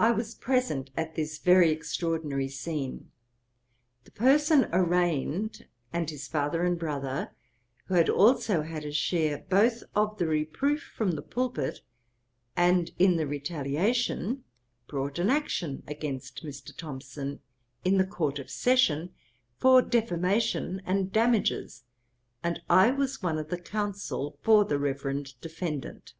I was present at this very extraordinary scene. The person arraigned, and his father and brother, who had also had a share both of the reproof from the pulpit, and in the retaliation, brought an action against Mr. Thomson, in the Court of Session, for defamation and damages, and I was one of the counsel for the reverend defendant.